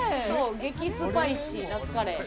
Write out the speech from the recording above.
激スパイシー、夏カレー。